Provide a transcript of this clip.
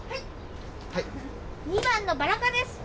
はい、２番のバラ科です。